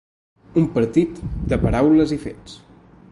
Un partit de paraules i fets.